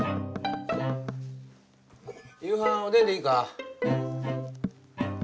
夕飯おでんでいいか？